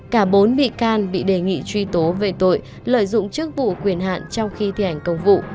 cả bốn bị can bị đề nghị truy tố về tội lợi dụng chức vụ quyền hạn trong khi thi hành công vụ